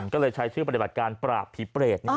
ก็เลยใช้ชื่อปฏิบัติการปราบผีเปรต